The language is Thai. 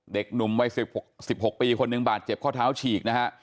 เด็กหนุ่มวัย๑๖ปีคนหนึ่งบาดเจ็บข้อเท้าฉีกนะฮะ